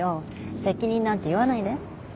責任なんて言わないで。